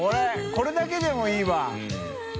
これだけでもいいわ。